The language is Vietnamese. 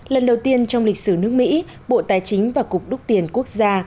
lần đầu tiên trong lịch sử nước mỹ bộ tài chính và cục đúc tiền quốc gia